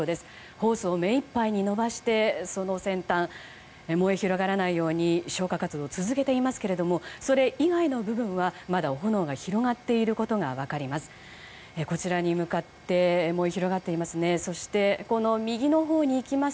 ホースを目いっぱいに伸ばして燃え広がらないように消火活動を続けていますけどそれ以外の部分は、まだ炎が広がっていることが分かります。